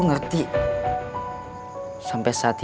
nggak mesti kaik aik outo